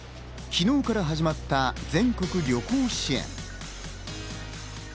昨日から始まった全国旅行支援。